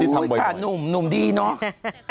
ที่ทำบ่อยค่ะหนุ่มหนุ่มดีเนาะ